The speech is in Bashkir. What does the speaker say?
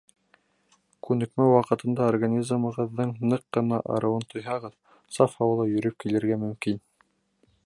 Күнекмә ваҡытында организмығыҙҙың ныҡ ҡына арыуын тойһағыҙ, саф һауала йөрөп килергә мөмкин.